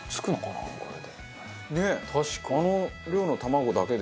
ねえあの量の卵だけで？